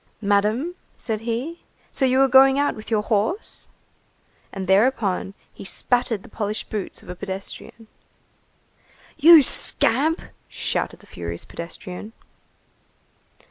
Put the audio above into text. "Madam," said he, "so you are going out with your horse?" And thereupon, he spattered the polished boots of a pedestrian. "You scamp!" shouted the furious pedestrian.